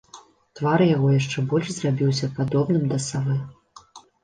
Твар яго яшчэ больш зрабіўся падобным да савы.